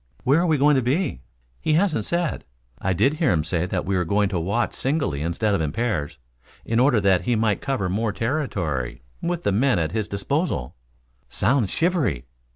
"Where are we going to be?" "He hasn't said. I did hear him say that we were going to watch singly instead of in pairs, in order that he might cover more territory with the men at his disposal." "Sounds shivery."